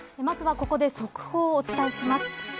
まずはここで速報をお伝えします。